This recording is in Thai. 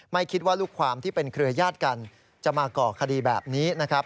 ไม่คิดว่าลูกความที่เป็นเครือญาติกันจะมาก่อคดีแบบนี้นะครับ